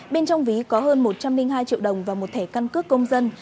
bên trong ví có hơn một trăm linh hai triệu đồng và một thẻ căn cước công dân